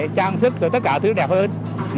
trang sức tất cả thứ đẹp hơn